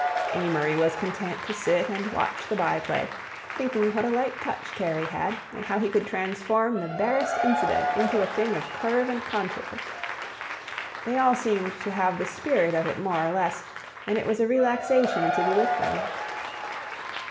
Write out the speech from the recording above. Amory was content to sit and watch the by play, thinking what a light touch Kerry had, and how he could transform the barest incident into a thing of curve and contour. They all seemed to have the spirit of it more or less, and it was a relaxation to be with them.